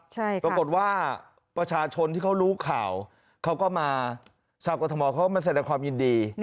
ปรากฏว่าประชาชนที่เขารู้ข่าวเขาก็มาชาวกรทมเขามาแสดงความยินดี